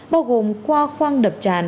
bao gồm qua khoang đập tràn